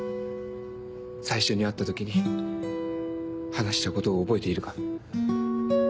最初に会った時に話したことを覚えているか？